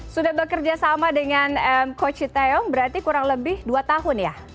sudah bekerja sama dengan coach sintayong berarti kurang lebih dua tahun ya